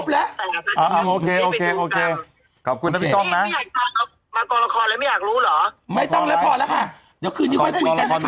แล้วพรุ่งนี้พี่ก้องลั่งถ่ายละครเรื่องอะไร